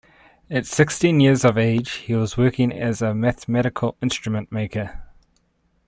At sixteen years of age he was working as a mathematical instrument maker.